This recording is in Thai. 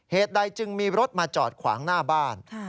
เหตุใดจึงมีรถมาจอดขวางหน้าบ้าน